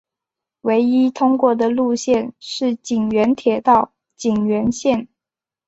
唯一通过的路线是井原铁道井原线。